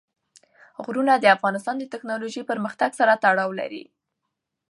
غرونه د افغانستان د تکنالوژۍ پرمختګ سره تړاو لري.